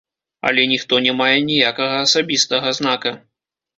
Але ніхто не мае ніякага асабістага знака.